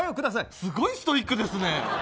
すごいストイックですね。